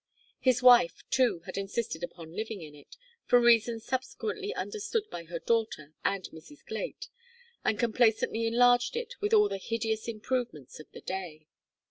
His wife, too, had insisted upon living in it, for reasons subsequently understood by her daughter and Mrs. Glait, and complacently enlarged it with all the hideous improvements of the day.